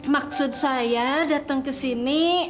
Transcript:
maksud saya datang kesini